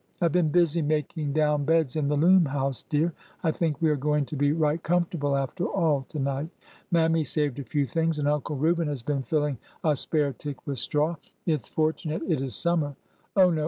" I 've been busy making down beds in the loom house, dear. I think we are going to be right comfortable, after all, to night. Mammy saved a fev/ things and Uncle Reuben has been filling a spare tick with straw. It 's for tunate it is summer. Oh, no !